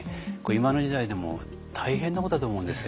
今の時代でも大変なことだと思うんですよ。